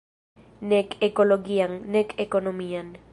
Nek ekologian, nek ekonomian.